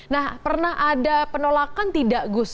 nah pernah ada penolakan tidak gus